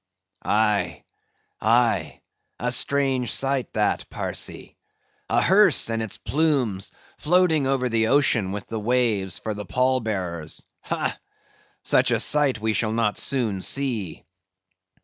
"Aye, aye! a strange sight that, Parsee:—a hearse and its plumes floating over the ocean with the waves for the pall bearers. Ha! Such a sight we shall not soon see."